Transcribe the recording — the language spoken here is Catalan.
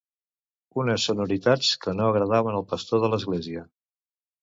Unes sonoritats que no agradaven al pastor de l'església.